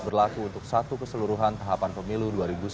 berlaku untuk satu keseluruhan tahapan pemilu dua ribu sembilan belas